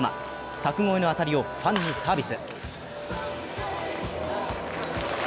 柵越えの当たりをファンにサービス。